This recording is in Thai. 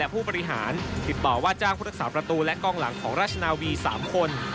และผู้ประหลาดติดต่อว่าจ้างพุทธศาสตร์ประตูและกองหลังของราชนาวีสามคน